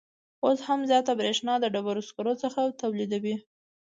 اوس هم زیاته بریښنا د ډبروسکرو څخه تولیدوي